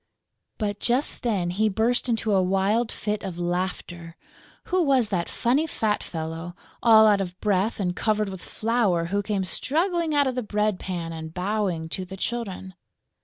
But just then he burst into a wild fit of laughter! Who was that funny fat fellow, all out of breath and covered with flour, who came struggling out of the bread pan and bowing to the children?